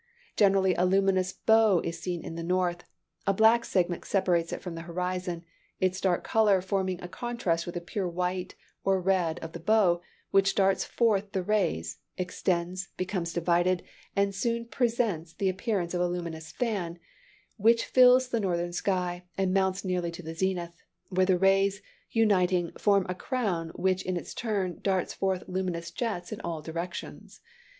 Generally a luminous bow is seen in the north; a black segment separates it from the horizon, its dark color forming a contrast with the pure white or red of the bow, which darts forth the rays, extends, becomes divided, and soon presents the appearance of a luminous fan, which fills the northern sky, and mounts nearly to the zenith, where the rays, uniting, form a crown, which in its turn, darts forth luminous jets in all directions.